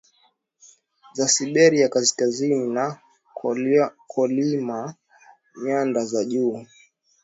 za Siberia Kaskazini na Kolyma Nyanda za juu